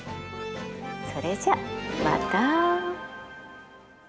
それじゃあまた。